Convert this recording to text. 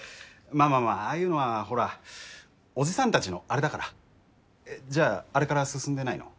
まあまあまあああいうのはほらおじさんたちのあれだから。えっじゃああれから進んでないの？